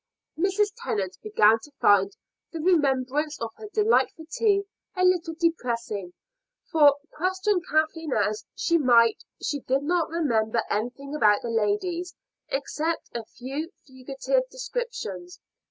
Mrs. Tennant began to find the remembrance of her delightful tea a little depressing, for, question Kathleen as she might, she did not remember anything about the ladies except a few fugitive descriptions.